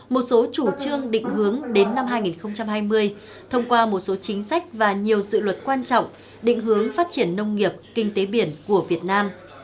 một số chủ trương định hướng đến năm hai nghìn hai mươi thông qua một số chính sách và nhiều dự luật quan trọng định hướng phát triển nông nghiệp kinh tế biển của việt nam